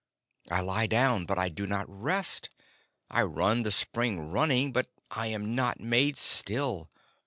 I lie down, but I do not rest. I run the spring running, but I am not made still.